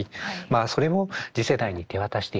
あそれを次世代に手渡していくための